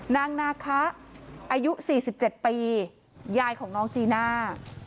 นางนาคะอายุ๔๗ปียายของน้องจีน่า